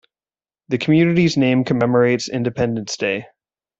The community's name commemorates Independence Day.